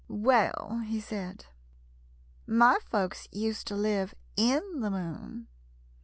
"Well," he said, "my folks used to live in the moon."